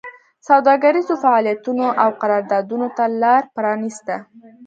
سوداګریزو فعالیتونو او قراردادونو ته لار پرانېسته